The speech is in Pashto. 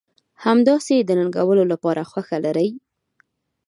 همداسې د ننګولو لپاره خوښه لرئ.